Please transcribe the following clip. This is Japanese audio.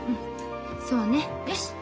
そうねよしっ